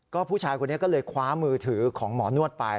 ผู้ชายคนนี้ก็เลยคว้ามือถือของหมอนวดไป